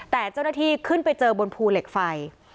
แต่เจ้าหน้าที่ขึ้นไปเจอบนภูเหล็กไฟ